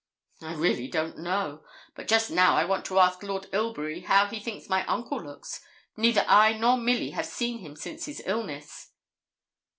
'I really don't know; but just now I want to ask Lord Ilbury how he thinks my uncle looks; neither I nor Milly have seen him since his illness.'